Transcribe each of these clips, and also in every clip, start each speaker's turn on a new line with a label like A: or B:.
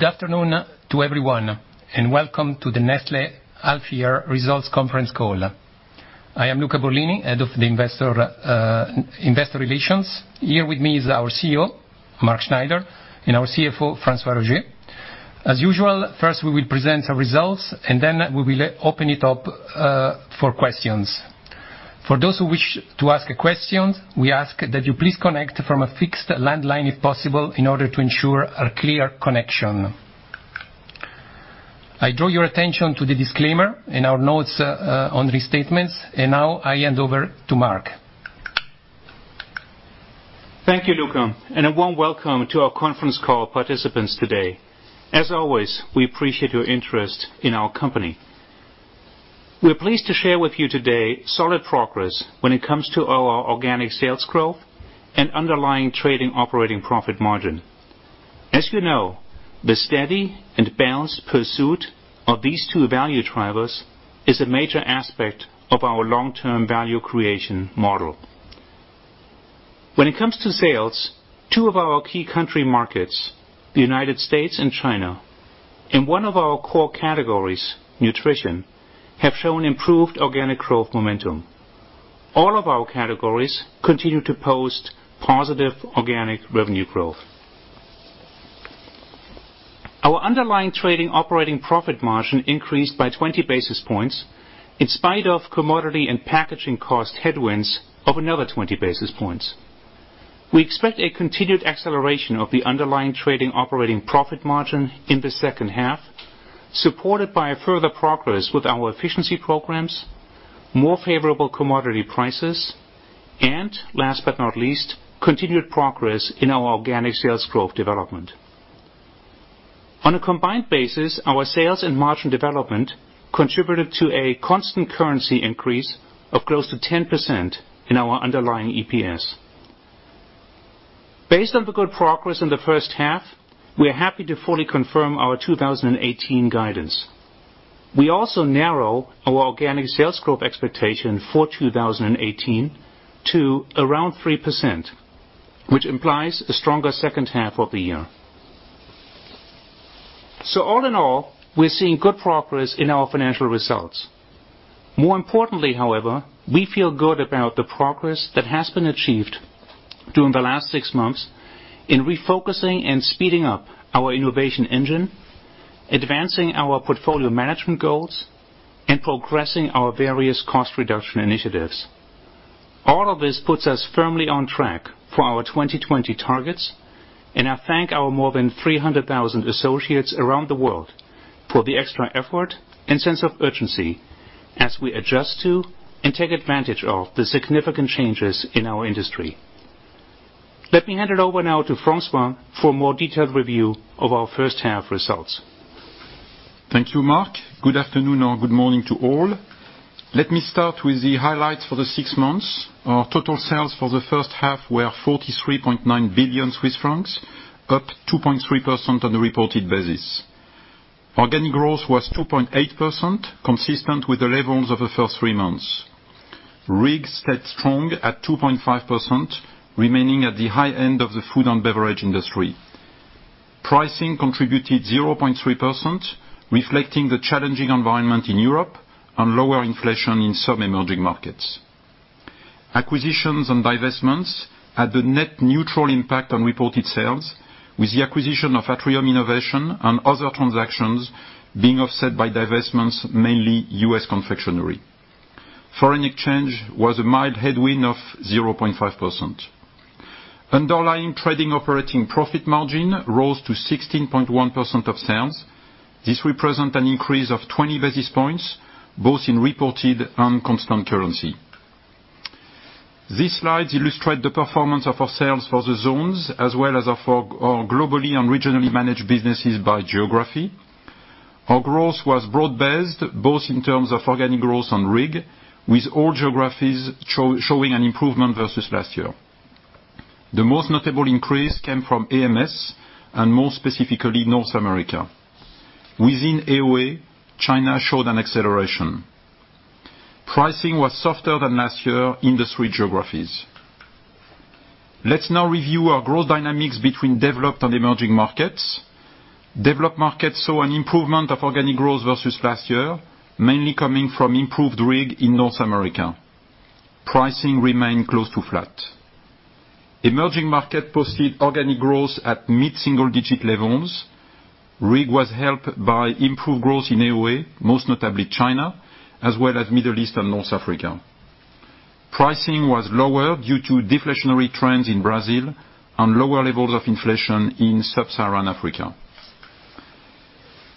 A: Good afternoon to everyone, welcome to the Nestlé Half Year Results Conference Call. I am Luca Borlini, head of the investor relations. Here with me is our CEO, Mark Schneider, and our CFO, François Roger. As usual, we will present our results, then we will open it up for questions. For those who wish to ask questions, we ask that you please connect from a fixed landline if possible, in order to ensure a clear connection. I draw your attention to the disclaimer in our notes on restatements, now I hand over to Mark.
B: Thank you, Luca, a warm welcome to our conference call participants today. As always, we appreciate your interest in our company. We're pleased to share with you today solid progress when it comes to our organic sales growth and Underlying Trading Operating Profit margin. As you know, the steady and balanced pursuit of these two value drivers is a major aspect of our long-term value creation model. When it comes to sales, two of our key country markets, the United States and China, and one of our core categories, nutrition, have shown improved organic growth momentum. All of our categories continue to post positive organic revenue growth. Our Underlying Trading Operating Profit margin increased by 20 basis points in spite of commodity and packaging cost headwinds of another 20 basis points. We expect a continued acceleration of the Underlying Trading Operating Profit margin in the second half, supported by a further progress with our efficiency programs, more favorable commodity prices, last but not least, continued progress in our organic sales growth development. On a combined basis, our sales and margin development contributed to a constant currency increase of close to 10% in our Underlying EPS. Based on the good progress in the first half, we are happy to fully confirm our 2018 guidance. We also narrow our organic sales growth expectation for 2018 to around 3%, which implies a stronger second half of the year. All in all, we're seeing good progress in our financial results. More importantly, however, we feel good about the progress that has been achieved during the last six months in refocusing and speeding up our innovation engine, advancing our portfolio management goals, and progressing our various cost reduction initiatives. All of this puts us firmly on track for our 2020 targets, I thank our more than 300,000 associates around the world for the extra effort and sense of urgency as we adjust to and take advantage of the significant changes in our industry. Let me hand it over now to François for a more detailed review of our first half results.
C: Thank you, Mark. Good afternoon or good morning to all. Let me start with the highlights for the six months. Our total sales for the first half were 43.9 billion Swiss francs, up 2.3% on a reported basis. Organic growth was 2.8%, consistent with the levels of the first three months. RIG stayed strong at 2.5%, remaining at the high end of the food and beverage industry. Pricing contributed 0.3%, reflecting the challenging environment in Europe and lower inflation in some emerging markets. Acquisitions and divestments had the net neutral impact on reported sales, with the acquisition of Atrium Innovations and other transactions being offset by divestments, mainly U.S. Confectionery. Foreign exchange was a mild headwind of 0.5%. Underlying Trading Operating Profit margin rose to 16.1% of sales. This represent an increase of 20 basis points, both in reported and constant currency. These slides illustrate the performance of our sales for the zones, as well as for our globally and regionally managed businesses by geography. Our growth was broad-based, both in terms of organic growth and RIG, with all geographies showing an improvement versus last year. The most notable increase came from AMS and more specifically North America. Within AOA, China showed an acceleration. Pricing was softer than last year in the three geographies. Let's now review our growth dynamics between developed and emerging markets. Developed markets saw an improvement of organic growth versus last year, mainly coming from improved RIG in North America. Pricing remained close to flat. Emerging markets posted organic growth at mid-single digit levels. RIG was helped by improved growth in AOA, most notably China, as well as Middle East and North Africa. Pricing was lower due to deflationary trends in Brazil and lower levels of inflation in sub-Saharan Africa.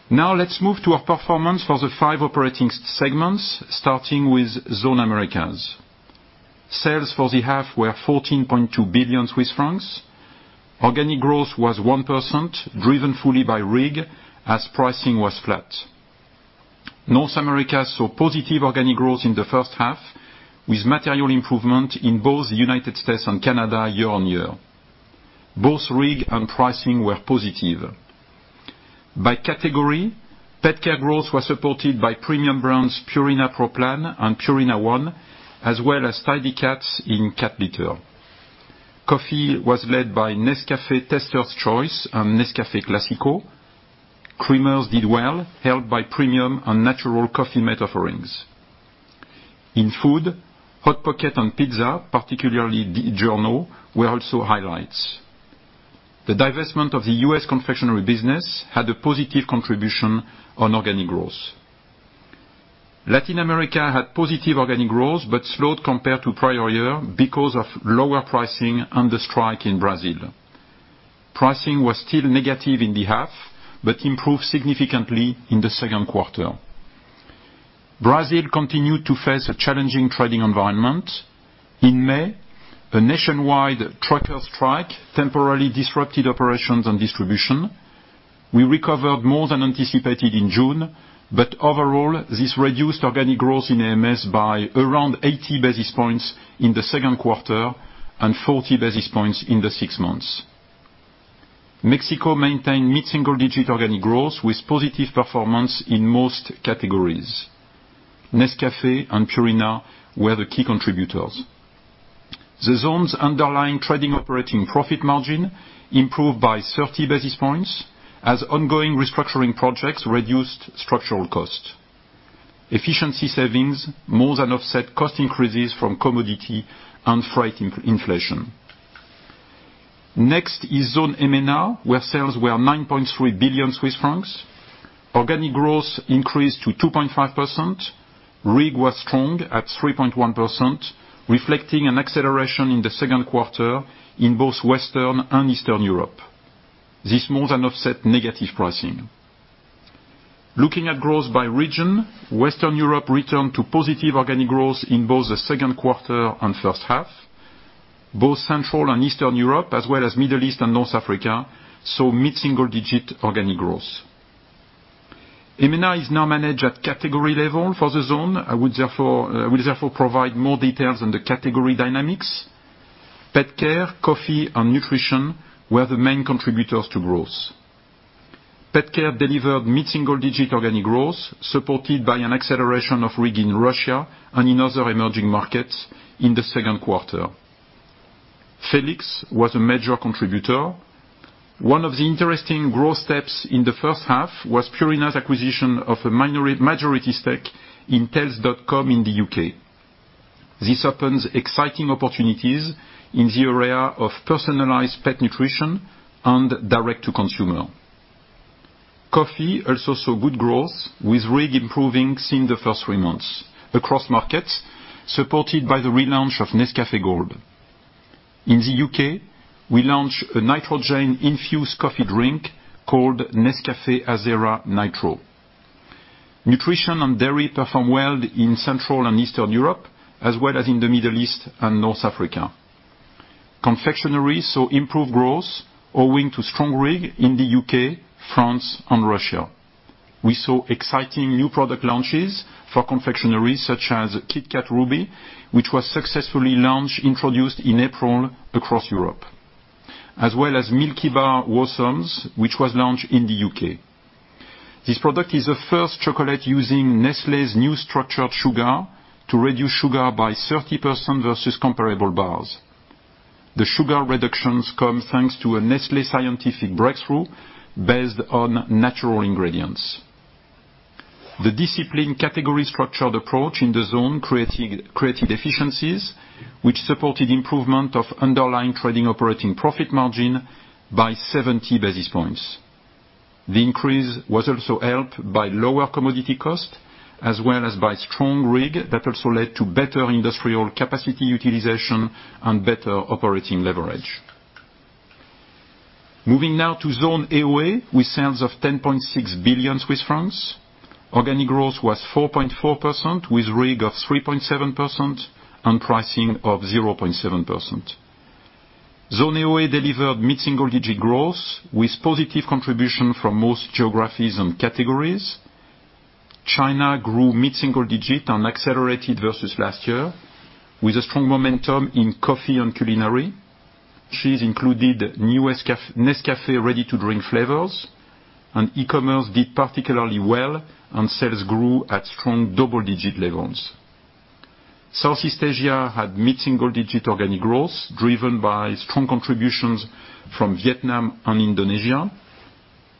C: Now let's move to our performance for the 5 operating segments, starting with Zone Americas. Sales for the half were 14.2 billion Swiss francs. Organic growth was 1%, driven fully by RIG, as pricing was flat. North America saw positive organic growth in the first half, with material improvement in both the U.S. and Canada year on year. Both RIG and pricing were positive. By category, pet care growth was supported by premium brands Purina Pro Plan and Purina ONE, as well as Tidy Cats in cat litter. Coffee was led by Nescafé Taster's Choice and Nescafé Clásico. Creamers did well, helped by premium and natural coffee made offerings. In food, Hot Pockets and pizza, particularly DiGiorno, were also highlights. The divestment of the U.S. Confectionery business had a positive contribution on organic growth. Latin America had positive organic growth, but slowed compared to prior year because of lower pricing and the strike in Brazil. Pricing was still negative in the half, but improved significantly in the second quarter. Brazil continued to face a challenging trading environment. In May, a nationwide trucker strike temporarily disrupted operations and distribution. We recovered more than anticipated in June, but overall, this reduced organic growth in AMS by around 80 basis points in the second quarter and 40 basis points in the six months. Mexico maintained mid-single-digit organic growth with positive performance in most categories. Nescafé and Purina were the key contributors. The zone's Underlying Trading Operating Profit margin improved by 30 basis points as ongoing restructuring projects reduced structural cost. Efficiency savings more than offset cost increases from commodity and freight inflation. Next is Zone EMENA, where sales were 9.3 billion Swiss francs. Organic growth increased to 2.5%. RIG was strong at 3.1%, reflecting an acceleration in the second quarter in both Western and Eastern Europe. This more than offset negative pricing. Looking at growth by region, Western Europe returned to positive organic growth in both the second quarter and first half. Both Central and Eastern Europe, as well as Middle East and North Africa, saw mid-single-digit organic growth. MENA is now managed at category level for the zone. I will therefore provide more details on the category dynamics. Pet Care, coffee, and nutrition were the main contributors to growth. Pet Care delivered mid-single-digit organic growth, supported by an acceleration of RIG in Russia and in other emerging markets in the second quarter. Felix was a major contributor. One of the interesting growth steps in the first half was Purina's acquisition of a majority stake in Tails.com in the U.K. This opens exciting opportunities in the area of personalized pet nutrition and direct-to-consumer. Coffee also saw good growth, with RIG improving since the first three months across markets, supported by the relaunch of Nescafé Gold. In the U.K., we launched a nitrogen-infused coffee drink called Nescafé Azera Nitro. Nutrition and dairy performed well in Central and Eastern Europe, as well as in the Middle East and North Africa. Confectionery saw improved growth owing to strong RIG in the U.K., France, and Russia. We saw exciting new product launches for confectionery, such as KitKat Ruby, which was successfully introduced in April across Europe, as well as Milkybar Wowsomes, which was launched in the U.K. This product is the first chocolate using Nestlé's new structured sugar to reduce sugar by 30% versus comparable bars. The sugar reductions come thanks to a Nestlé scientific breakthrough based on natural ingredients. The disciplined category structured approach in the zone created efficiencies, which supported improvement of Underlying Trading Operating Profit margin by 70 basis points. The increase was also helped by lower commodity cost, as well as by strong RIG that also led to better industrial capacity utilization and better operating leverage. Moving now to Zone AOA, with sales of 10.6 billion Swiss francs. Organic growth was 4.4%, with RIG of 3.7% and pricing of 0.7%. Zone AOA delivered mid-single-digit growth, with positive contribution from most geographies and categories. China grew mid-single-digit and accelerated versus last year, with a strong momentum in coffee and culinary. These included new Nescafé ready-to-drink flavors. E-commerce did particularly well, and sales grew at strong double-digit levels. Southeast Asia had mid-single-digit organic growth, driven by strong contributions from Vietnam and Indonesia.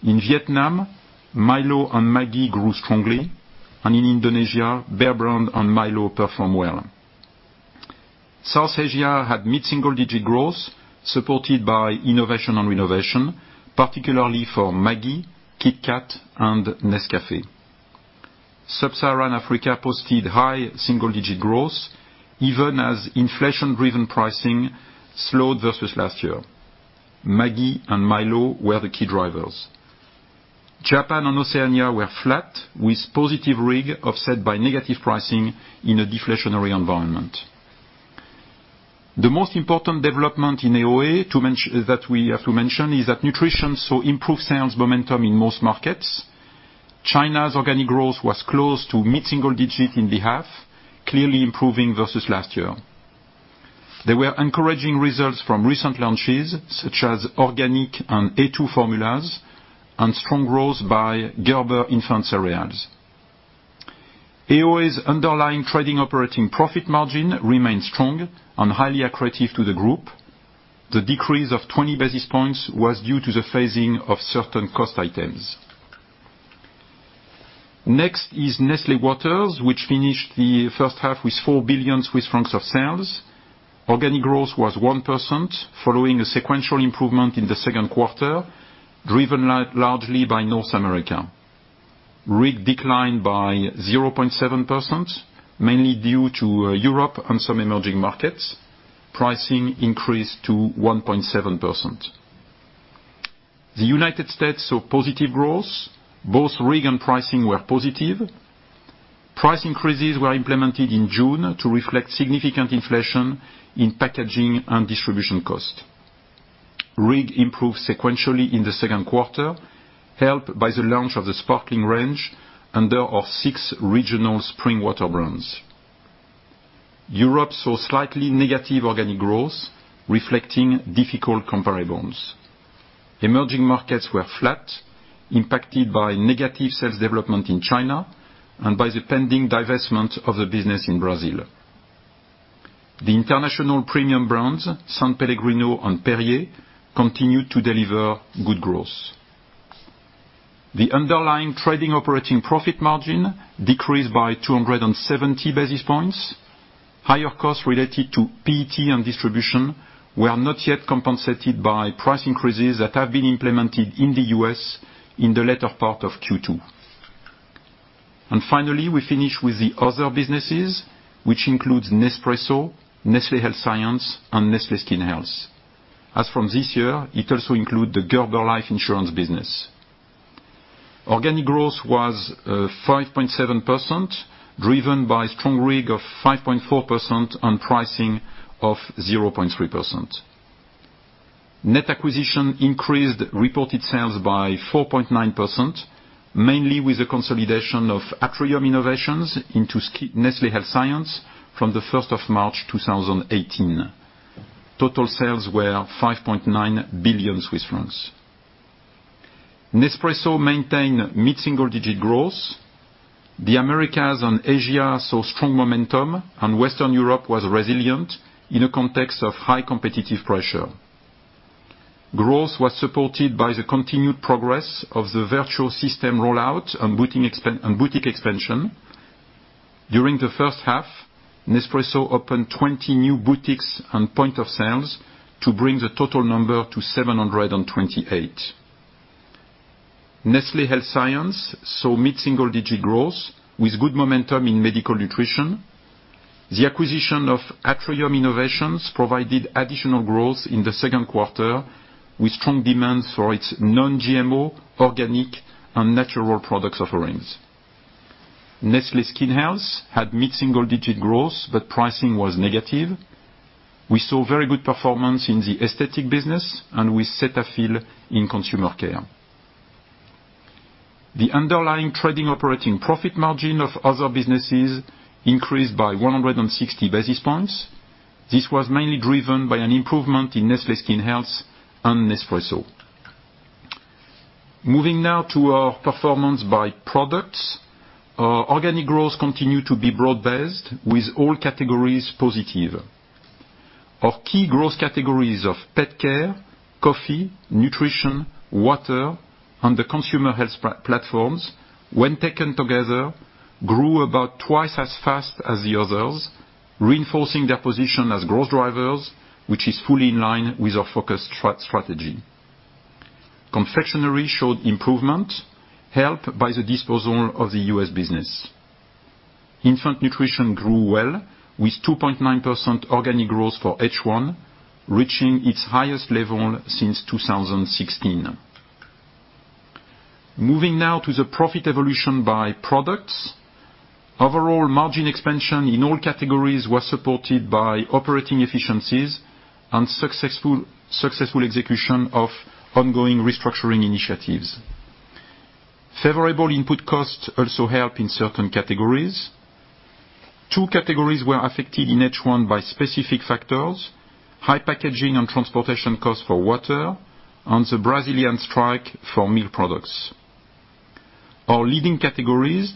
C: In Vietnam, Milo and Maggi grew strongly, and in Indonesia, Bear Brand and Milo performed well. South Asia had mid-single-digit growth, supported by innovation and renovation, particularly for Maggi, KitKat, and Nescafé. Sub-Saharan Africa posted high single-digit growth even as inflation-driven pricing slowed versus last year. Maggi and Milo were the key drivers. Japan and Oceania were flat, with positive RIG offset by negative pricing in a deflationary environment. The most important development in AOA that we have to mention is that nutrition saw improved sales momentum in most markets. China's organic growth was close to mid-single-digit in the half, clearly improving versus last year. There were encouraging results from recent launches, such as organic and A2 formulas, and strong growth by Gerber infant cereals. AOA's underlying trading operating profit margin remains strong and highly accretive to the group. The decrease of 20 basis points was due to the phasing of certain cost items. Next is Nestlé Waters, which finished the first half with 4 billion Swiss francs of sales. Organic growth was 1%, following a sequential improvement in the second quarter, driven largely by North America. RIG declined by 0.7%, mainly due to Europe and some emerging markets. Pricing increased to 1.7%. The U.S. saw positive growth. Both RIG and pricing were positive. Price increases were implemented in June to reflect significant inflation in packaging and distribution cost. RIG improved sequentially in the second quarter, helped by the launch of the Sparkling range and there are six regional spring water brands. Europe saw slightly negative organic growth, reflecting difficult comparables. Emerging markets were flat, impacted by negative sales development in China, and by the pending divestment of the business in Brazil. The international premium brands, S.Pellegrino and Perrier, continued to deliver good growth. The underlying trading operating profit margin decreased by 270 basis points. Higher costs related to PET and distribution were not yet compensated by price increases that have been implemented in the U.S. in the latter part of Q2. Finally, we finish with the other businesses, which includes Nespresso, Nestlé Health Science, and Nestlé Skin Health. As from this year, it also include the Gerber Life Insurance business. Organic growth was 5.7%, driven by strong RIG of 5.4% on pricing of 0.3%. Net acquisition increased reported sales by 4.9%, mainly with the consolidation of Atrium Innovations into Nestlé Health Science from the 1st of March 2018. Total sales were 5.9 billion Swiss francs. Nespresso maintained mid-single digit growth. The Americas and Asia saw strong momentum, and Western Europe was resilient in a context of high competitive pressure. Growth was supported by the continued progress of the Vertuo system rollout and boutique expansion. During the first half, Nespresso opened 20 new boutiques and point of sales to bring the total number to 728. Nestlé Health Science saw mid-single digit growth with good momentum in medical nutrition. The acquisition of Atrium Innovations provided additional growth in the second quarter, with strong demand for its non-GMO, organic, and natural product offerings. Nestlé Skin Health had mid-single digit growth, but pricing was negative. We saw very good performance in the aesthetic business, and with Cetaphil in consumer care. The underlying trading operating profit margin of other businesses increased by 160 basis points. This was mainly driven by an improvement in Nestlé Skin Health and Nespresso. Moving now to our performance by products. Our organic growth continued to be broad-based, with all categories positive. Our key growth categories of pet care, coffee, nutrition, water, and the consumer health platforms, when taken together, grew about twice as fast as the others, reinforcing their position as growth drivers, which is fully in line with our focused strategy. Confectionery showed improvement, helped by the disposal of the U.S. business. Infant nutrition grew well, with 2.9% organic growth for H1, reaching its highest level since 2016. Moving now to the profit evolution by products. Overall, margin expansion in all categories was supported by operating efficiencies and successful execution of ongoing restructuring initiatives. Favorable input costs also help in certain categories. Two categories were affected in H1 by specific factors: high packaging and transportation costs for Waters and the Brazilian strike for meal products. Our leading categories,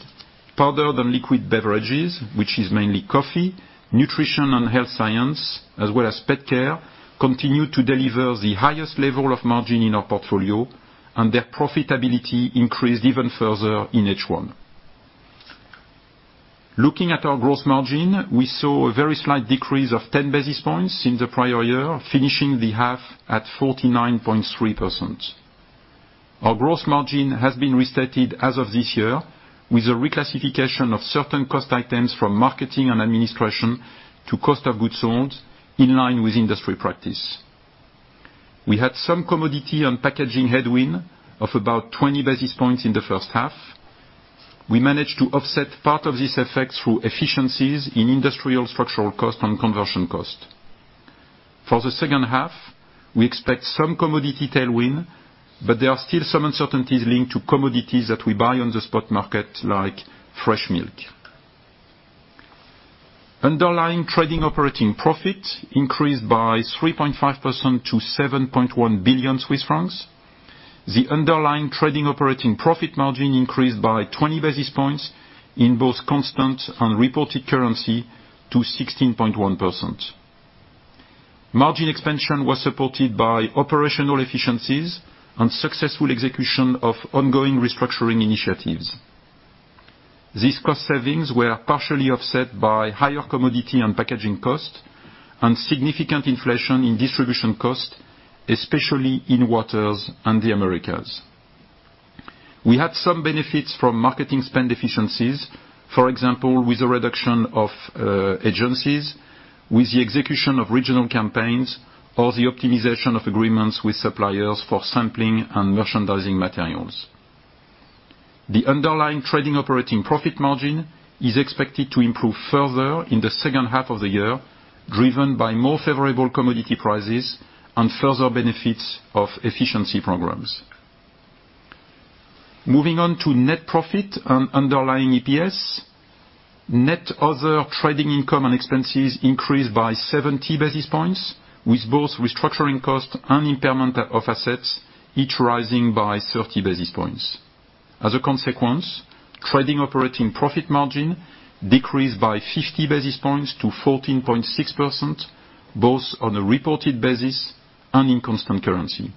C: powder, then liquid beverages, which is mainly coffee, Nestlé Health Science, as well as pet care, continue to deliver the highest level of margin in our portfolio, and their profitability increased even further in H1. Looking at our gross margin, we saw a very slight decrease of 10 basis points in the prior year, finishing the half at 49.3%. Our gross margin has been restated as of this year with a reclassification of certain cost items from marketing and administration to cost of goods sold, in line with industry practice. We had some commodity and packaging headwind of about 20 basis points in the first half. We managed to offset part of this effect through efficiencies in industrial structural cost and conversion cost. For the second half, we expect some commodity tailwind. There are still some uncertainties linked to commodities that we buy on the spot market, like fresh milk. Underlying Trading Operating Profit increased by 3.5% to 7.1 billion Swiss francs. The Underlying Trading Operating Profit margin increased by 20 basis points in both constant and reported currency to 16.1%. Margin expansion was supported by operational efficiencies and successful execution of ongoing restructuring initiatives. These cost savings were partially offset by higher commodity and packaging cost, and significant inflation in distribution cost, especially in Waters and the Americas. We had some benefits from marketing spend efficiencies, for example, with the reduction of agencies, with the execution of regional campaigns, or the optimization of agreements with suppliers for sampling and merchandising materials. The Underlying Trading Operating Profit margin is expected to improve further in the second half of the year, driven by more favorable commodity prices and further benefits of efficiency programs. Moving on to net profit and Underlying EPS. Net other trading income and expenses increased by 70 basis points, with both restructuring costs and impairment of assets, each rising by 30 basis points. As a consequence, trading operating profit margin decreased by 50 basis points to 14.6%, both on a reported basis and in constant currency.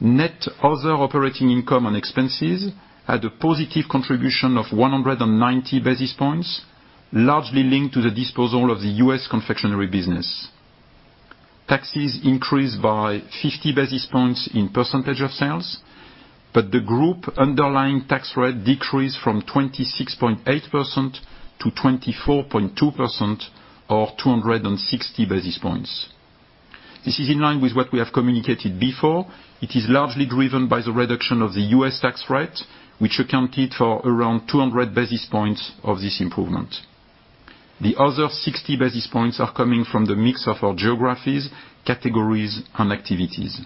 C: Net other operating income and expenses had a positive contribution of 190 basis points, largely linked to the disposal of the U.S. Confectionery business. Taxes increased by 50 basis points in percentage of sales. The group underlying tax rate decreased from 26.8% to 24.2%, or 260 basis points. This is in line with what we have communicated before. It is largely driven by the reduction of the U.S. tax rate, which accounted for around 200 basis points of this improvement. The other 60 basis points are coming from the mix of our geographies, categories, and activities.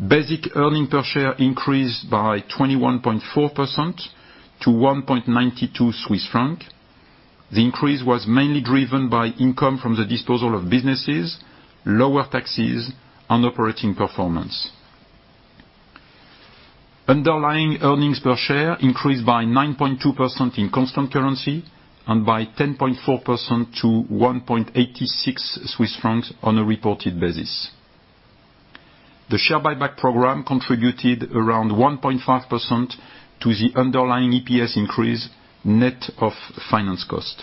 C: Basic earnings per share increased by 21.4% to 1.92 Swiss franc. The increase was mainly driven by income from the disposal of businesses, lower taxes, and operating performance. Underlying EPS increased by 9.2% in constant currency and by 10.4% to 1.86 Swiss francs on a reported basis. The share buyback program contributed around 1.5% to the Underlying EPS increase net of finance cost.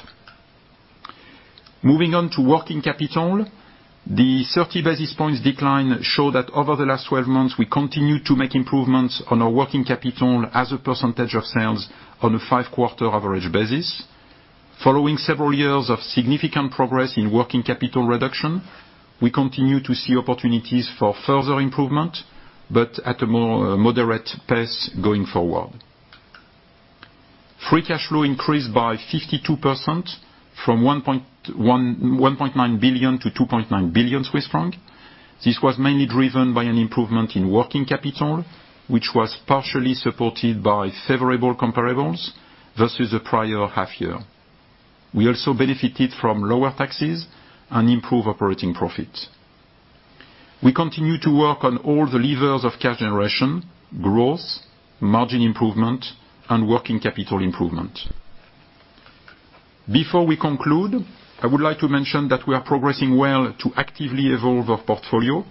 C: Moving on to working capital. The 30 basis points decline show that over the last 12 months, we continued to make improvements on our working capital as a percentage of sales on a five-quarter average basis. Following several years of significant progress in working capital reduction, we continue to see opportunities for further improvement, but at a more moderate pace going forward. Free cash flow increased by 52% from 1.9 billion to 2.9 billion Swiss francs. This was mainly driven by an improvement in working capital, which was partially supported by favorable comparables versus the prior half year. We also benefited from lower taxes and improved operating profit. We continue to work on all the levers of cash generation, growth, margin improvement, and working capital improvement. Before we conclude, I would like to mention that we are progressing well to actively evolve our portfolio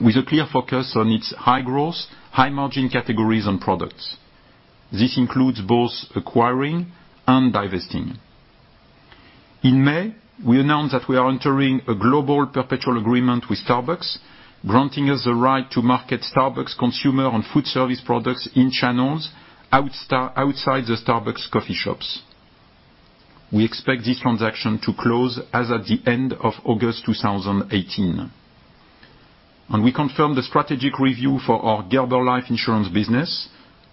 C: with a clear focus on its high-growth, high-margin categories and products. This includes both acquiring and divesting. In May, we announced that we are entering a global perpetual agreement with Starbucks, granting us the right to market Starbucks consumer and food service products in channels outside the Starbucks coffee shops. We expect this transaction to close at the end of August 2018. We confirm the strategic review for our Gerber Life Insurance business.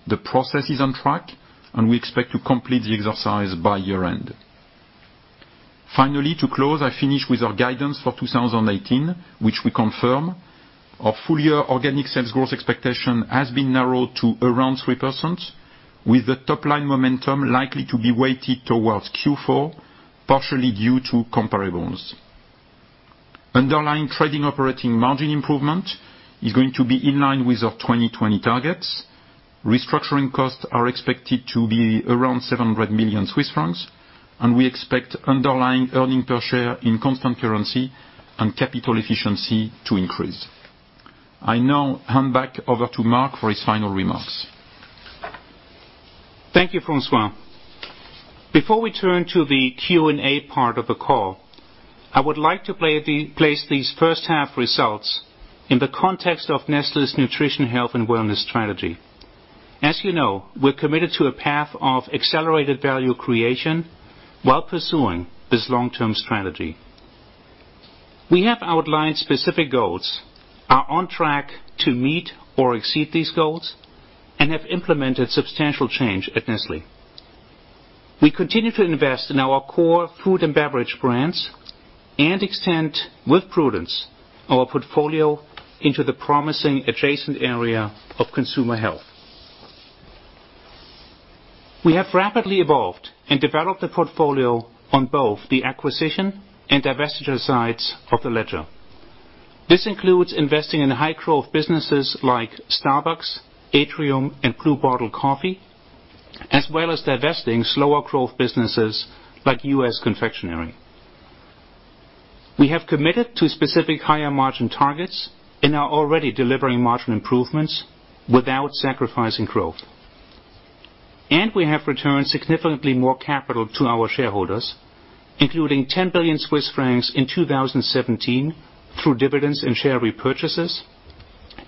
C: The process is on track, and we expect to complete the exercise by year-end. To close, I finish with our guidance for 2018, which we confirm our full-year organic sales growth expectation has been narrowed to around 3%, with the top-line momentum likely to be weighted towards Q4, partially due to comparables. Underlying Trading Operating margin improvement is going to be in line with our 2020 targets. Restructuring costs are expected to be around 700 million Swiss francs. We expect Underlying earning per share in constant currency and capital efficiency to increase. I now hand back over to Mark for his final remarks.
B: Thank you, François. Before we turn to the Q&A part of the call, I would like to place these first half results in the context of Nestlé's nutrition, health, and wellness strategy. As you know, we're committed to a path of accelerated value creation while pursuing this long-term strategy. We have outlined specific goals, are on track to meet or exceed these goals, and have implemented substantial change at Nestlé. We continue to invest in our core food and beverage brands and extend, with prudence, our portfolio into the promising adjacent area of consumer health. We have rapidly evolved and developed the portfolio on both the acquisition and divestiture sides of the ledger. This includes investing in high-growth businesses like Starbucks, Atrium, and Blue Bottle Coffee, as well as divesting slower growth businesses like U.S. Confectionery. We have committed to specific higher margin targets and are already delivering margin improvements without sacrificing growth. We have returned significantly more capital to our shareholders, including 10 billion Swiss francs in 2017 through dividends and share repurchases,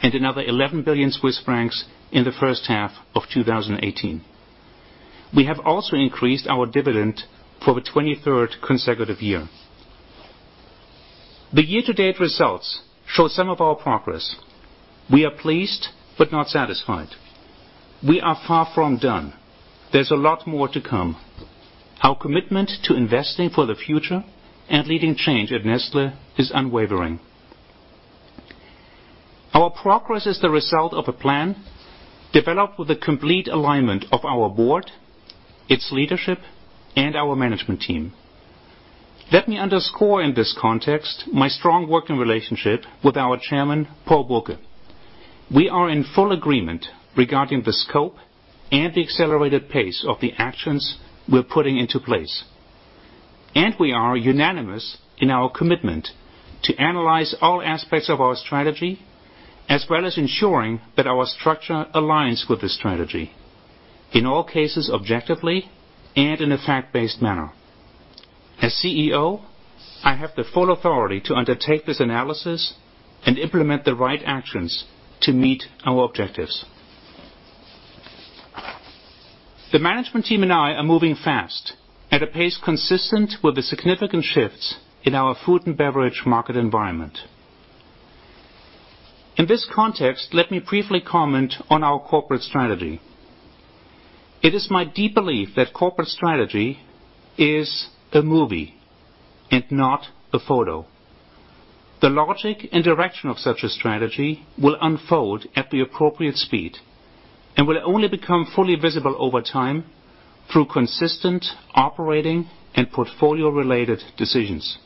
B: and another 11 billion Swiss francs in the first half of 2018. We have also increased our dividend for the 23rd consecutive year. The year-to-date results show some of our progress. We are pleased but not satisfied. We are far from done. There's a lot more to come. Our commitment to investing for the future and leading change at Nestlé is unwavering. Our progress is the result of a plan developed with the complete alignment of our board, its leadership, and our management team. Let me underscore in this context my strong working relationship with our chairman, Paul Bulcke. We are in full agreement regarding the scope and the accelerated pace of the actions we're putting into place. We are unanimous in our commitment to analyze all aspects of our strategy, as well as ensuring that our structure aligns with this strategy, in all cases objectively and in a fact-based manner. As CEO, I have the full authority to undertake this analysis and implement the right actions to meet our objectives. The management team and I are moving fast at a pace consistent with the significant shifts in our food and beverage market environment. In this context, let me briefly comment on our corporate strategy. It is my deep belief that corporate strategy is a movie and not a photo. The logic and direction of such a strategy will unfold at the appropriate speed and will only become fully visible over time through consistent operating and portfolio-related decisions.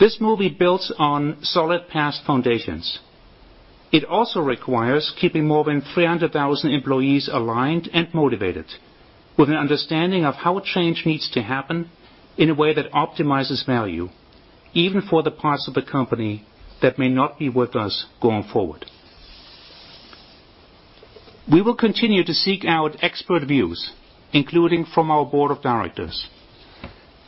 B: This movie builds on solid past foundations. It also requires keeping more than 300,000 employees aligned and motivated with an understanding of how change needs to happen in a way that optimizes value, even for the parts of the company that may not be with us going forward. We will continue to seek out expert views, including from our board of directors.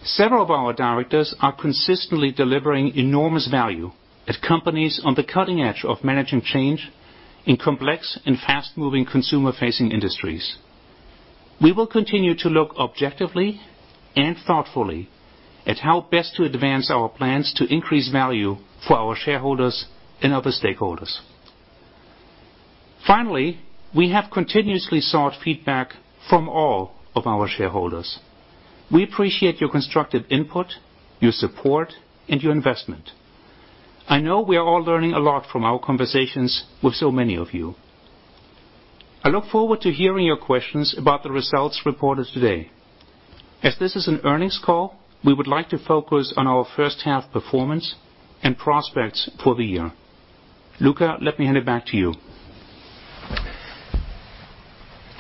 B: Several of our directors are consistently delivering enormous value at companies on the cutting edge of managing change in complex and fast-moving consumer-facing industries. We will continue to look objectively and thoughtfully at how best to advance our plans to increase value for our shareholders and other stakeholders. Finally, we have continuously sought feedback from all of our shareholders. We appreciate your constructive input, your support, and your investment. I know we are all learning a lot from our conversations with so many of you. I look forward to hearing your questions about the results reported today. As this is an earnings call, we would like to focus on our first half performance and prospects for the year. Luca, let me hand it back to you.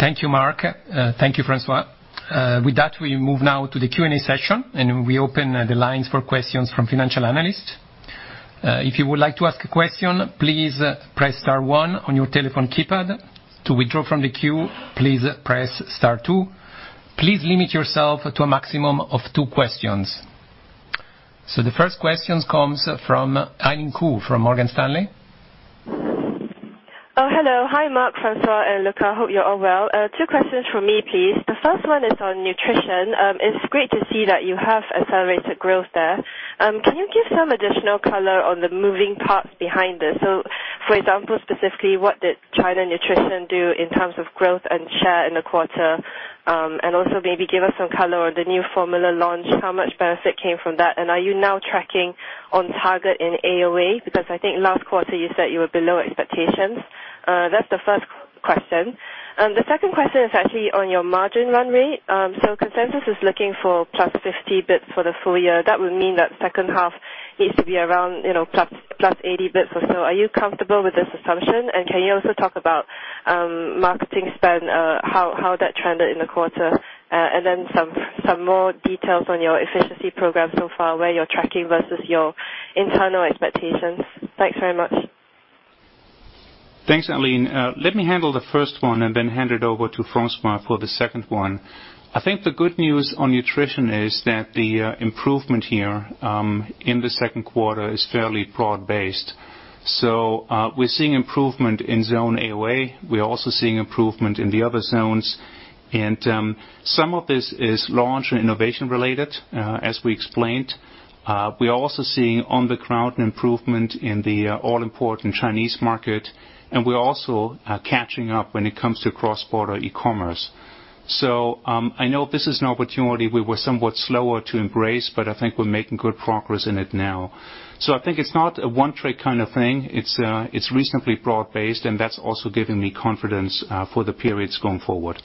A: Thank you, Mark. Thank you, François. With that, we move now to the Q&A session, and we open the lines for questions from financial analysts. If you would like to ask a question, please press star one on your telephone keypad. To withdraw from the queue, please press star two. Please limit yourself to a maximum of two questions. The first question comes from Eileen Koo from Morgan Stanley.
D: Hello. Hi, Mark, François, and Luca. Hope you're all well. Two questions from me, please. The first one is on nutrition. It's great to see that you have accelerated growth there. Can you give some additional color on the moving parts behind this? For example, specifically, what did China Nutrition do in terms of growth and share in the quarter? And also maybe give us some color on the new formula launch. How much benefit came from that? And are you now tracking on target in AOA? Because I think last quarter you said you were below expectations. That's the first question. The second question is actually on your margin run rate. Consensus is looking for +50 basis points for the full year. That would mean that second half needs to be around +80 basis points or so. Are you comfortable with this assumption? Can you also talk about marketing spend, how that trended in the quarter? Some more details on your efficiency program so far, where you're tracking versus your internal expectations. Thanks very much.
B: Thanks, Eileen. Let me handle the first one and then hand it over to François for the second one. I think the good news on nutrition is that the improvement here in the second quarter is fairly broad-based. We're seeing improvement in zone AOA. We're also seeing improvement in the other zones. Some of this is launch and innovation related, as we explained. We are also seeing on-the-ground improvement in the all-important Chinese market, we're also catching up when it comes to cross-border e-commerce. I know this is an opportunity we were somewhat slower to embrace, but I think we're making good progress in it now. I think it's not a one-trick kind of thing. It's reasonably broad-based, and that's also giving me confidence for the periods going forward.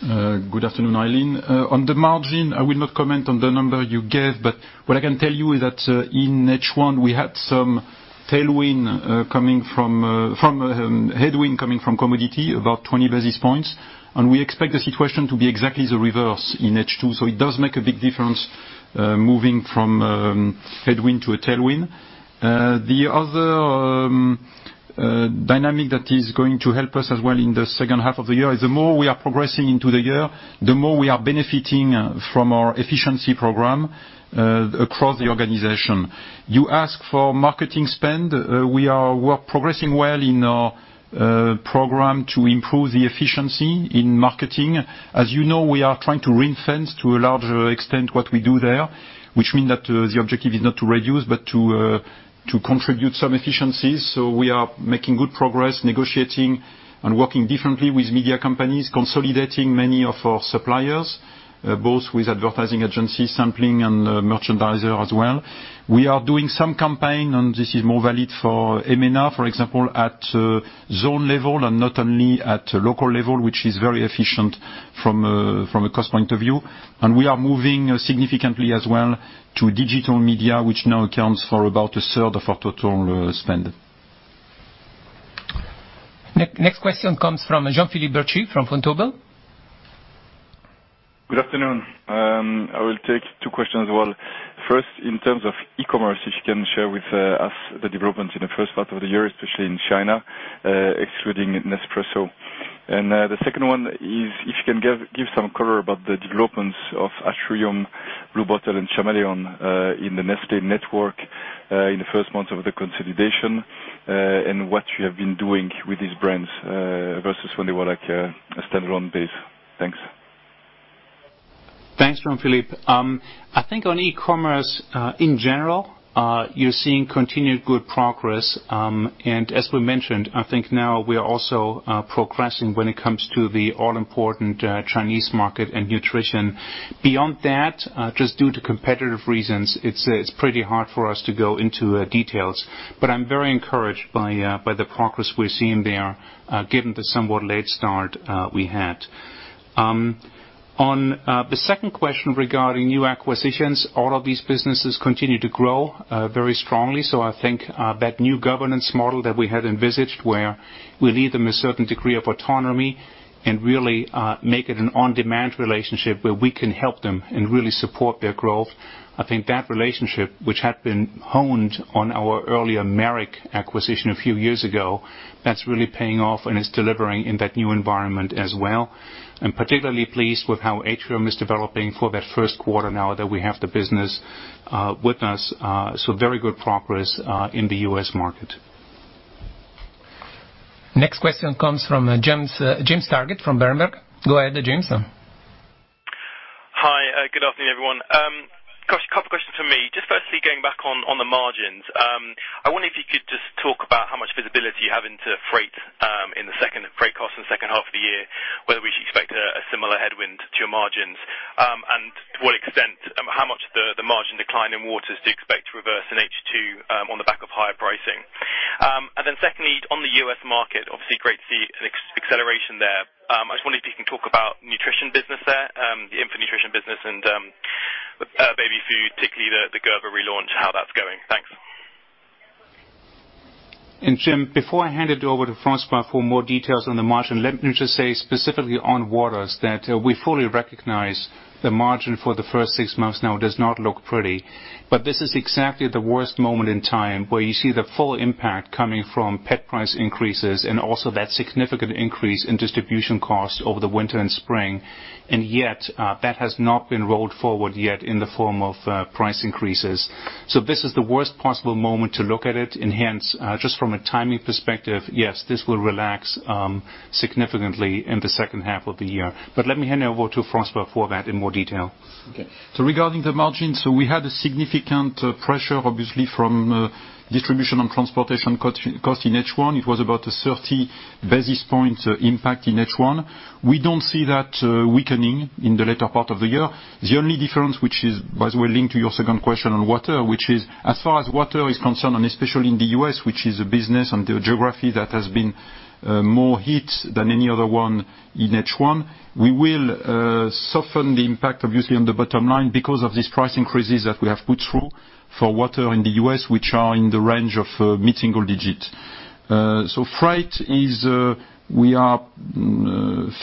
C: Good afternoon, Eileen. On the margin, I will not comment on the number you gave, but what I can tell you is that in H1 we had some headwind coming from commodity about 20 basis points, and we expect the situation to be exactly the reverse in H2. It does make a big difference, moving from a headwind to a tailwind. The other dynamic that is going to help us as well in the second half of the year is, the more we are progressing into the year, the more we are benefiting from our efficiency program across the organization. You ask for marketing spend. We are progressing well in our program to improve the efficiency in marketing. As you know, we are trying to ring-fence, to a larger extent, what we do there, which mean that the objective is not to reduce but to contribute some efficiencies. We are making good progress negotiating and working differently with media companies, consolidating many of our suppliers, both with advertising agency sampling and merchandiser as well. We are doing some campaign, and this is more valid for EMENA, for example, at zone level and not only at local level, which is very efficient from a cost point of view, and we are moving significantly as well to digital media, which now accounts for about a third of our total spend.
A: Next question comes from Jean-Philippe Bertschy from Vontobel.
E: Good afternoon. I will take two questions as well. First, in terms of e-commerce, if you can share with us the developments in the first part of the year, especially in China, excluding Nespresso. The second one is, if you can give some color about the developments of Atrium, Blue Bottle, and Chameleon in the Nestlé network in the first months of the consolidation, and what you have been doing with these brands versus when they were like a standalone base. Thanks.
B: Thanks, Jean-Philippe. I think on e-commerce in general, you're seeing continued good progress. As we mentioned, I think now we are also progressing when it comes to the all-important Chinese market and nutrition. Beyond that, just due to competitive reasons, it's pretty hard for us to go into details, but I'm very encouraged by the progress we're seeing there given the somewhat late start we had. On the second question regarding new acquisitions, all of these businesses continue to grow very strongly. I think that new governance model that we had envisaged where we leave them a certain degree of autonomy and really make it an on-demand relationship where we can help them and really support their growth. I think that relationship, which had been honed on our earlier Merrick acquisition a few years ago, that's really paying off and it's delivering in that new environment as well. I'm particularly pleased with how Atrium is developing for that first quarter now that we have the business with us. Very good progress in the U.S. market.
A: Next question comes from James Targett from Berenberg. Go ahead, James.
F: Hi, good afternoon, everyone. A couple questions from me. Firstly, going back on the margins. I wonder if you could talk about how much visibility you have into freight costs in the second half of the year, whether we should expect a similar headwind to your margins. To what extent, how much the margin decline in waters do you expect to reverse in H2 on the back of higher pricing? Secondly, on the U.S. market, obviously great to see an acceleration there. I wondered if you can talk about nutrition business there, the infant nutrition business and baby food, particularly the Gerber relaunch, how that's going. Thanks.
B: Jim, before I hand it over to François for more details on the margin, let me just say specifically on waters that we fully recognize the margin for the first 6 months now does not look pretty, but this is exactly the worst moment in time where you see the full impact coming from pet price increases and also that significant increase in distribution costs over the winter and spring. Yet that has not been rolled forward yet in the form of price increases. This is the worst possible moment to look at it. Hence, just from a timing perspective, yes, this will relax significantly in the second half of the year. Let me hand over to François for that in more detail.
C: Regarding the margins, we had a significant pressure, obviously from distribution and transportation cost in H1. It was about a 30 basis point impact in H1. We don't see that weakening in the later part of the year. The only difference, which is by the way linked to your second question on water, which is as far as water is concerned, and especially in the U.S., which is a business and geography that has been more hit than any other one in H1. We will soften the impact, obviously on the bottom line because of these price increases that we have put through for water in the U.S., which are in the range of mid-single digit. Freight is We are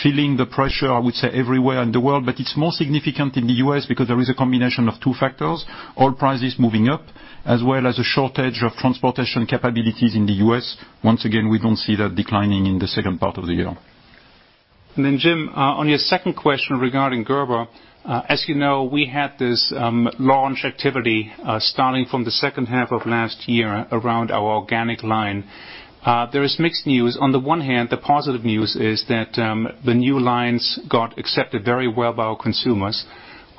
C: feeling the pressure, I would say, everywhere in the world, but it's more significant in the U.S. because there is a combination of two factors: oil prices moving up as well as a shortage of transportation capabilities in the U.S. Once again, we don't see that declining in the second part of the year.
B: Jim, on your second question regarding Gerber. As you know, we had this launch activity starting from the second half of last year around our organic line. There is mixed news. On the one hand, the positive news is that the new lines got accepted very well by our consumers.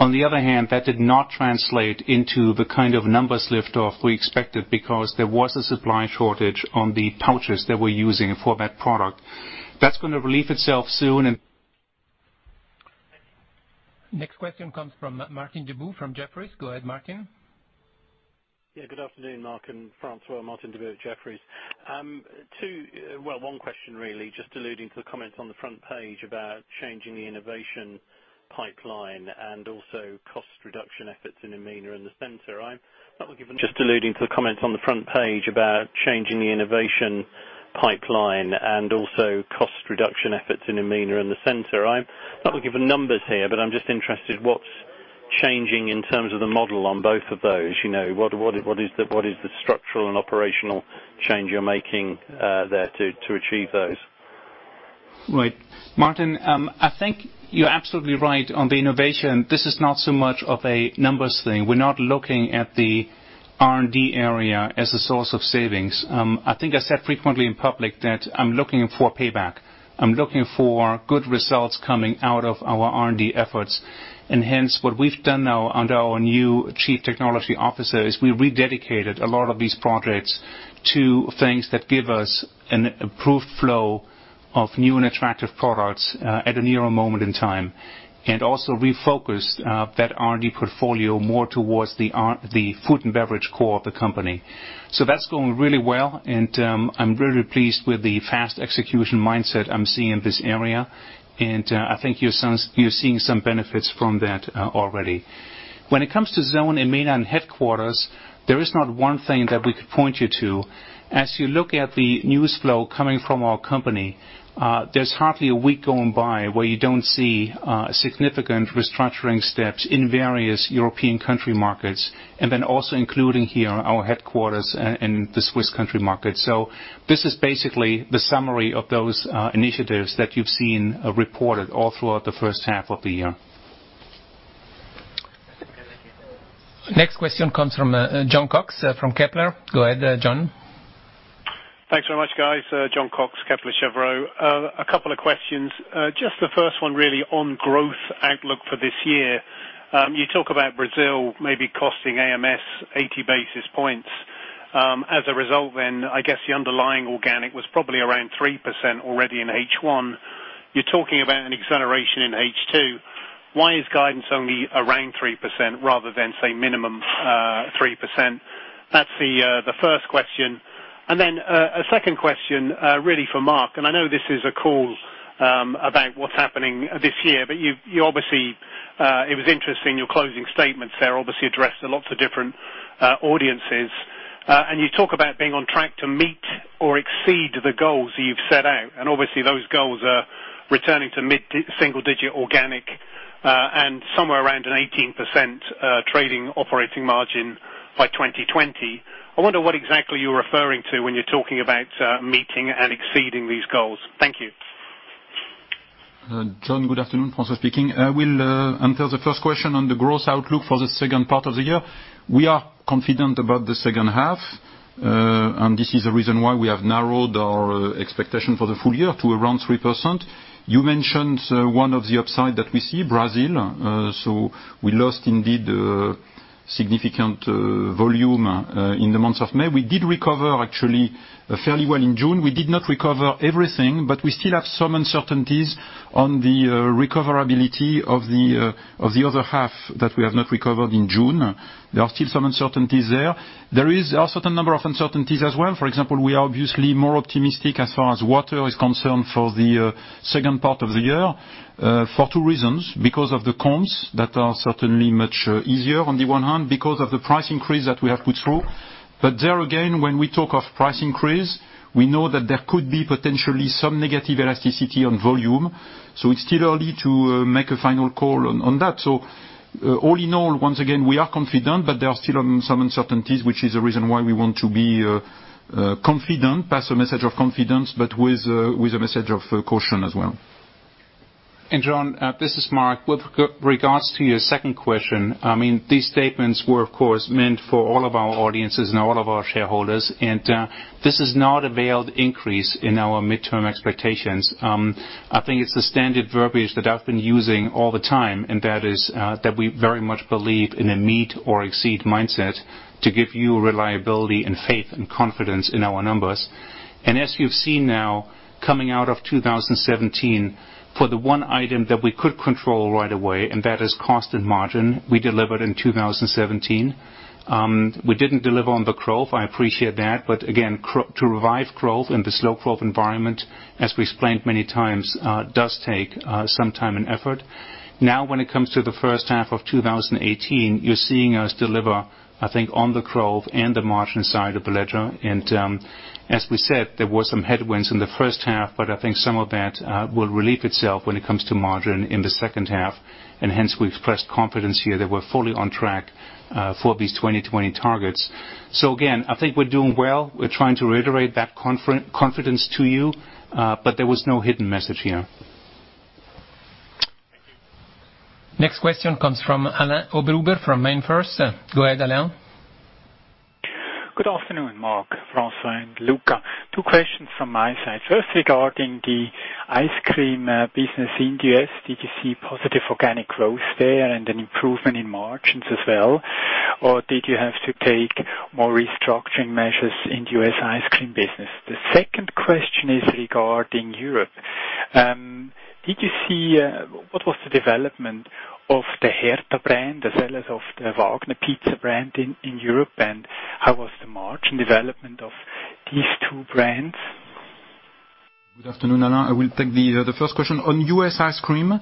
B: On the other hand, that did not translate into the kind of numbers lift-off we expected, because there was a supply shortage on the pouches that we're using for that product. That's going to relieve itself soon and.
A: Next question comes from Martin Deboo from Jefferies. Go ahead, Martin.
G: Yeah, good afternoon, Mark and François. Martin Deboo, Jefferies. Two, well, one question really, just alluding to the comments on the front page about changing the innovation pipeline and also cost reduction efforts in EMENA and the center. I'm not giving numbers here, but I'm just interested, what's changing in terms of the model on both of those? What is the structural and operational change you're making there to achieve those?
B: Right. Martin, I think you're absolutely right on the innovation. This is not so much of a numbers thing. We're not looking at the R&D area as a source of savings. I think I said frequently in public that I'm looking for payback. I'm looking for good results coming out of our R&D efforts. Hence what we've done now under our new chief technology officer is we rededicated a lot of these projects to things that give us an improved flow of new and attractive products at a nearer moment in time. Also refocused that R&D portfolio more towards the food and beverage core of the company. That's going really well, and I'm very pleased with the fast execution mindset I'm seeing in this area, and I think you're seeing some benefits from that already. When it comes to zone, EMENA and headquarters, there is not one thing that we could point you to. As you look at the news flow coming from our company, there's hardly a week going by where you don't see significant restructuring steps in various European country markets and then also including here our headquarters and the Swiss country market. This is basically the summary of those initiatives that you've seen reported all throughout the first half of the year.
A: Next question comes from Jon Cox from Kepler. Go ahead, Jon.
H: Thanks very much, guys. Jon Cox, Kepler Cheuvreux. A couple of questions. The first one really on growth outlook for this year. You talk about Brazil maybe costing 80 basis points. As a result, I guess the underlying organic was probably around 3% already in H1. You're talking about an acceleration in H2. Why is guidance only around 3% rather than, say, minimum 3%? That's the first question. A second question really for Mark, and I know this is a call about what's happening this year, but you obviously, it was interesting, your closing statements there obviously addressed to lots of different audiences. You talk about being on track to meet or exceed the goals that you've set out, and obviously those goals are returning to mid-single digit organic, and somewhere around an 18% trading operating margin by 2020. I wonder what exactly you're referring to when you're talking about meeting and exceeding these goals. Thank you.
C: Jon, good afternoon. François speaking. I will answer the first question on the growth outlook for the second part of the year. We are confident about the second half. This is the reason why we have narrowed our expectation for the full year to around 3%. You mentioned one of the upside that we see, Brazil. We lost indeed significant volume in the months of May. We did recover actually fairly well in June. We did not recover everything, but we still have some uncertainties on the recoverability of the other half that we have not recovered in June. There are still some uncertainties there. There is a certain number of uncertainties as well. For example, we are obviously more optimistic as far as water is concerned for the second part of the year, for two reasons. Because of the comms that are certainly much easier on the one hand, because of the price increase that we have put through. There again, when we talk of price increase, we know that there could be potentially some negative elasticity on volume. It's still early to make a final call on that. All in all, once again, we are confident, but there are still some uncertainties, which is the reason why we want to be confident, pass a message of confidence, but with a message of caution as well.
B: Jon, this is Mark. With regards to your second question, these statements were, of course, meant for all of our audiences and all of our shareholders, this is not a veiled increase in our midterm expectations. I think it's the standard verbiage that I've been using all the time, that is that we very much believe in a meet or exceed mindset to give you reliability and faith and confidence in our numbers. As you've seen now, coming out of 2017, for the one item that we could control right away, and that is cost and margin, we delivered in 2017. We didn't deliver on the growth. I appreciate that. Again, to revive growth in the slow growth environment, as we explained many times, does take some time and effort. When it comes to the first half of 2018, you're seeing us deliver, I think, on the growth and the margin side of the ledger. As we said, there were some headwinds in the first half, I think some of that will relieve itself when it comes to margin in the second half. Hence we've expressed confidence here that we're fully on track for these 2020 targets. Again, I think we're doing well. We're trying to reiterate that confidence to you. There was no hidden message here.
H: Thank you.
A: Next question comes from Alain Oberhuber from MainFirst. Go ahead, Alain.
I: Good afternoon, Mark, François, and Luca. Two questions from my side. First, regarding the ice cream business in the U.S., did you see positive organic growth there and an improvement in margins as well? Or did you have to take more restructuring measures in the U.S. ice cream business? The second question is regarding Europe. What was the development of the Herta brand as well as of the Wagner Pizza brand in Europe, and how was the margin development of these two brands?
C: Good afternoon, Alain. I will take the first question. On U.S. ice cream,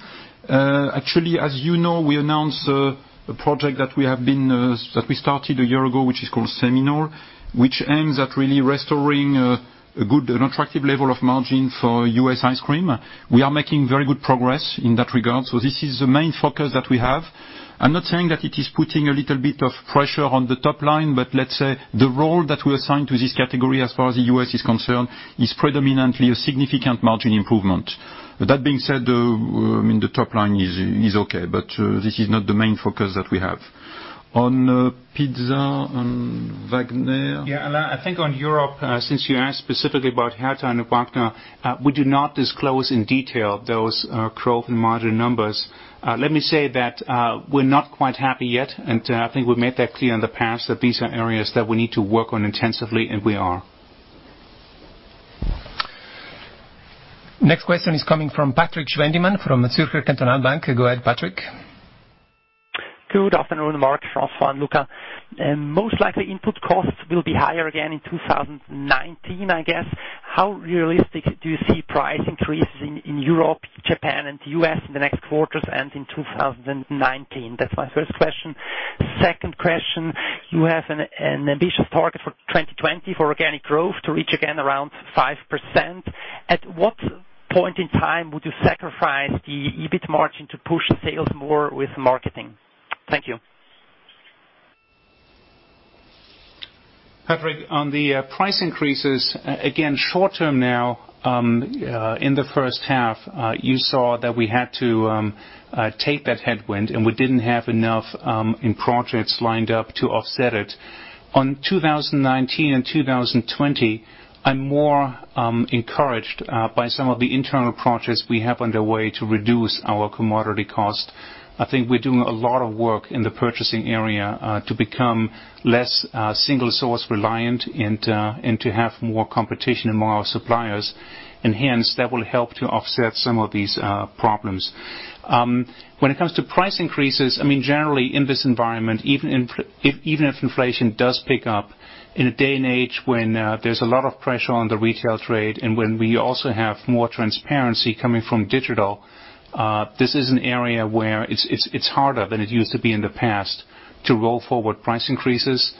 C: actually, as you know, we announced a project that we started a year ago, which is called Seminole, which aims at really restoring a good and attractive level of margin for U.S. ice cream. We are making very good progress in that regard. This is the main focus that we have. I'm not saying that it is putting a little bit of pressure on the top line, let's say the role that we assigned to this category as far as the U.S. is concerned is predominantly a significant margin improvement. That being said, the top line is okay, this is not the main focus that we have. On Pizza on Wagner.
B: Yeah, Alain, I think on Europe, since you asked specifically about Herta and Wagner, we do not disclose in detail those growth and margin numbers. Let me say that we're not quite happy yet, and I think we've made that clear in the past that these are areas that we need to work on intensively, and we are.
A: Next question is coming from Patrik Schwendimann from Zürcher Kantonalbank. Go ahead, Patrik.
J: Good afternoon, Mark, François, and Luca. Most likely input costs will be higher again in 2019, I guess. How realistic do you see price increases in Europe, Japan, and the U.S. in the next quarters and in 2019? That's my first question. Second question, you have an ambitious target for 2020 for organic growth to reach again around 5%. At what point in time would you sacrifice the EBIT margin to push sales more with marketing? Thank you.
B: Patrik, on the price increases, again, short term now, in the first half, you saw that we had to take that headwind, and we didn't have enough in projects lined up to offset it. On 2019 and 2020, I'm more encouraged by some of the internal projects we have underway to reduce our commodity cost. I think we're doing a lot of work in the purchasing area to become less single-source reliant and to have more competition and more suppliers. Hence, that will help to offset some of these problems. When it comes to price increases, generally, in this environment, even if inflation does pick up, in a day and age when there's a lot of pressure on the retail trade and when we also have more transparency coming from digital, this is an area where it's harder than it used to be in the past to roll forward price increases.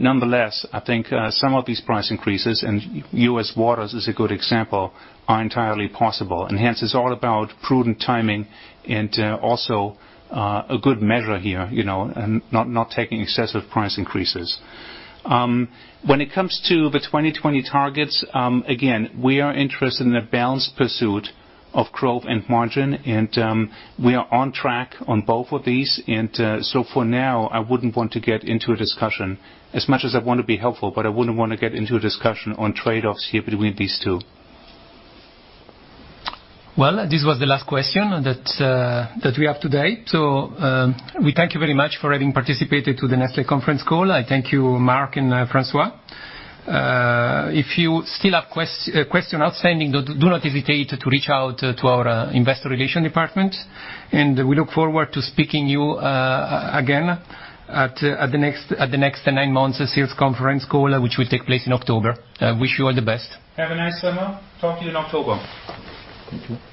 B: Nonetheless, I think some of these price increases, and U.S. waters is a good example, are entirely possible. Hence it's all about prudent timing and also a good measure here, and not taking excessive price increases. When it comes to the 2020 targets, again, we are interested in a balanced pursuit of growth and margin, and we are on track on both of these. I wouldn't want to get into a discussion, as much as I want to be helpful, but I wouldn't want to get into a discussion on trade-offs here between these two.
A: This was the last question that we have today. We thank you very much for having participated to the Nestlé conference call. I thank you, Mark and François. If you still have question outstanding, do not hesitate to reach out to our investor relation department. We look forward to speaking you again at the next nine months sales conference call, which will take place in October. I wish you all the best.
B: Have a nice summer. Talk to you in October.
C: Thank you.